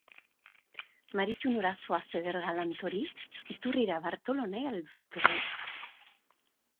Maritxu nora zoaz, eder galant hori? Iturrira, Bartolo, nahi al duzu etorri?